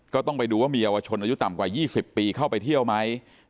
ก็ต้องไปดูว่ามีเยาวชนอายุต่ำกว่า๒๐ปีเข้าไปเที่ยวไหม